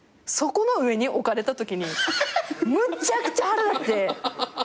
そこの上に置かれたときにむちゃくちゃ腹立って。